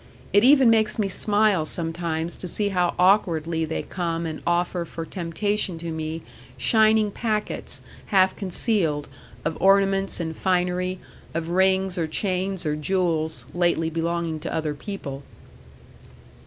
It even makes me smile sometimes to see how awkwardly they come and offer for temptation to me shining packets, half concealed, of ornaments and finery, of rings, or chains, or jewels, lately belonging to other people.